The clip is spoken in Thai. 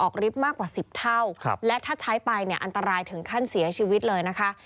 ลิฟต์มากกว่า๑๐เท่าและถ้าใช้ไปเนี่ยอันตรายถึงขั้นเสียชีวิตเลยนะคะ